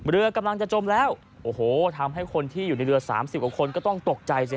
เรือกำลังจะจมแล้วโอ้โหทำให้คนที่อยู่ในเรือ๓๐กว่าคนก็ต้องตกใจสิ